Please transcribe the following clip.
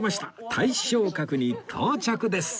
大松閣に到着です